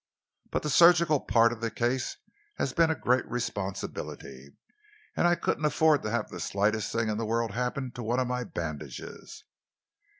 But the surgical part of the case has been a great responsibility, and I couldn't afford to have the slightest thing in the world happen to one of my bandages."